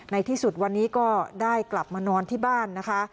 ในที่สุดวันนี้ก็ได้กลับมานอนที่บ้านนะคะ